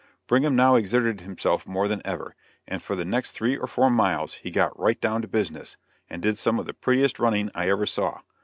Brigham now exerted himself more than ever, and for the next three or four miles he got "right down to business," and did some of the prettiest running I ever saw.